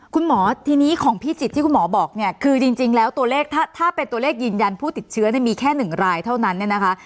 คุณหมอทีนี้ของพิจิตรที่คุณหมอบอกเนี่ยคือจริงแล้วตัวเลขถ้าเป็นตัวเลขยืนยันผู้ติดเชื้อมีแค่๑รายเท่านั้นเนี่ยนะคะ